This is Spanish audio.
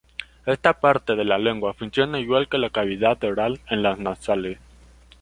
Esta parte de la lengua funciona igual que la cavidad oral en las nasales.